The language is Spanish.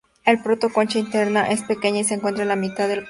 La proto-concha interna es pequeña y se encuentra en la mitad del cuerpo.